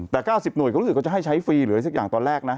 แต่๙๐หน่วยก็รู้สึกเขาจะให้ใช้ฟรีหรืออะไรสักอย่างตอนแรกนะ